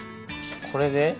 これで？